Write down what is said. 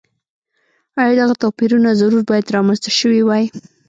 ایا دغه توپیرونه ضرور باید رامنځته شوي وای.